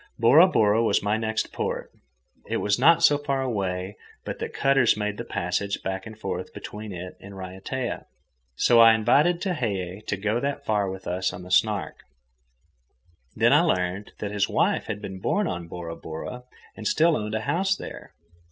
Bora Bora was my next port. It was not so far away but that cutters made the passage back and forth between it and Raiatea. So I invited Tehei to go that far with us on the Snark. Then I learned that his wife had been born on Bora Bora and still owned a house there.